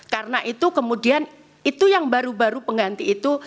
karena itu kemudian itu yang baru baru pengganti itu